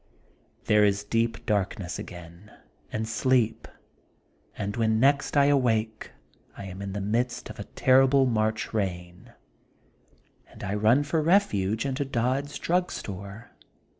'' There is deep darkness again, and sleep, and when next I awake I am in the midst of a terrible March rain, and I run for refuge into Dodd's Drug Store.